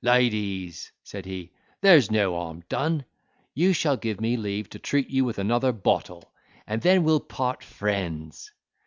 "Ladies," said he, "there's no harm done—you shall give me leave to treat you with another bottle, and then we'll part friends."